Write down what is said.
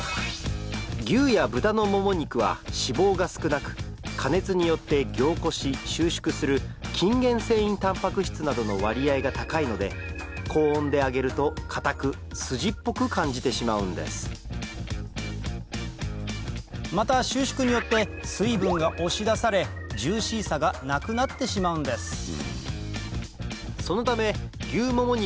牛や豚のもも肉は脂肪が少なく加熱によって凝固し収縮する筋原繊維タンパク質などの割合が高いので高温で揚げるとかたくスジっぽく感じてしまうんですまた収縮によって水分が押し出されジューシーさがなくなってしまうんです